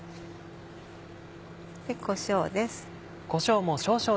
こしょうです。